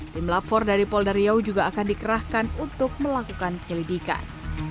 tim lapor dari polda riau juga akan dikerahkan untuk melakukan penyelidikan